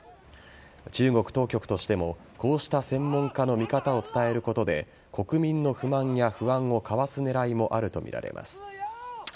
中国当局としてもこうした専門家の見方を伝えることで国民の不満や不安をかわす狙いもあるとみられます。